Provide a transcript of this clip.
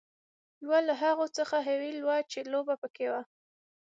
یوه له هغو څخه هویل وه چې لوبه پکې وه.